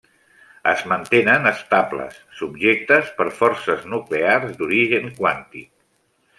Es mantenen estables subjectes per forces nuclears d'origen quàntic.